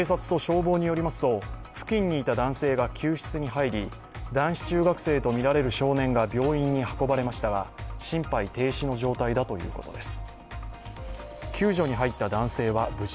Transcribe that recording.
警察と消防によりすまと、付近にいた男性が救助に入り、男子中学生とみられる少年が病院に運ばれましたが、心肺停止の状態です。